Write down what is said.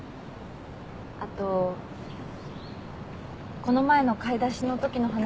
あとこの前の買い出しのときの話。